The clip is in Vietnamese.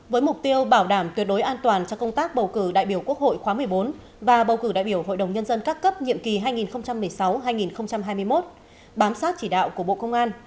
với mục tiêu bảo đảm tuyệt đối an toàn cho công tác bầu cử đại biểu quốc hội khóa một mươi bốn và bầu cử đại biểu hội đồng nhân dân các cấp nhiệm kỳ hai nghìn một mươi sáu hai nghìn hai mươi một bám sát chỉ đạo của bộ công an